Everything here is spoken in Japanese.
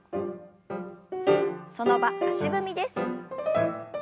その場足踏みです。